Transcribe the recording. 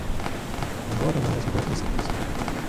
Fundó además la ciudad de San Petersburgo.